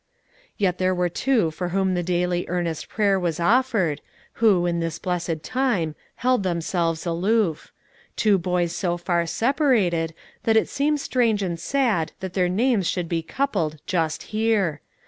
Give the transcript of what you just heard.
Yet there were two for whom daily earnest prayer was offered, who, in this blessed time, held themselves aloof, two boys so far separated, that it seems strange and sad that their names should be coupled just here.